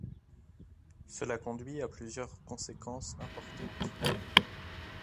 Cela conduit à plusieurs conséquences importantes.